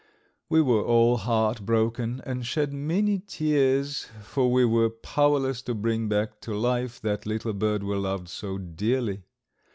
We were all heart broken and shed many tears, for we were powerless to bring back to life that little bird we loved so dearly.